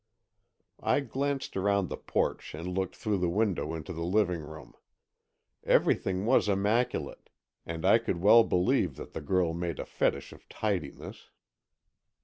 I glanced around the porch and looked through the window into the living room. Everything was immaculate and I could well believe that the girl made a fetish of tidiness.